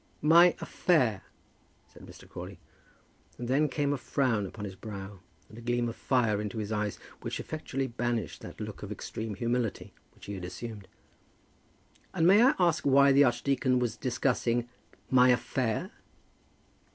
"My affair!" said Mr. Crawley. And then came a frown upon his brow, and a gleam of fire into his eyes, which effectually banished that look of extreme humility which he had assumed. "And may I ask why the archdeacon was discussing my affair?"